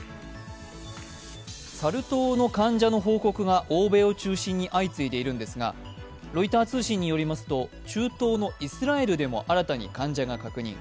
サル痘の患者の報告が欧米を中心に相次いでいるんですが、ロイター通信によりますと中東のイスラエルでも新たに患者が確認。